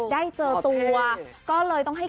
ได้เจอตัวก็เลยต้องให้